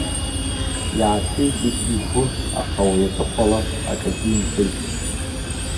Иааҭеикит игәы, аха уи аҵыхәала акагьы имҳәеит.